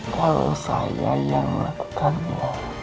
kalau saya yang lakukannya